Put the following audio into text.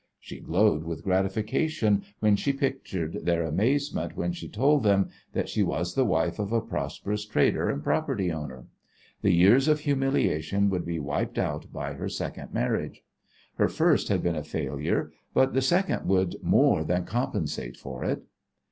She glowed with gratification when she pictured their amazement when she told them that she was the wife of a prosperous trader and property owner! The years of humiliation would be wiped out by her second marriage. Her first had been a failure, but the second would more than compensate for it.